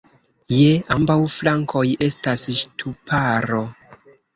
Je ambaŭ flankoj estas ŝtuparo.